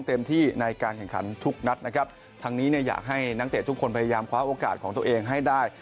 ทางนี้อยากให้นักเตะทุกคนพยายามคว้าโอกาสของตัวเองให้ได้